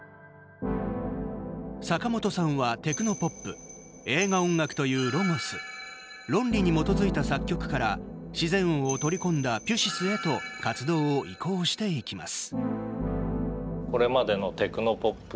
坂本さんはテクノポップ映画音楽というロゴス論理に基づいた作曲から自然音を取り込んだピュシスへと活動を移行していきます。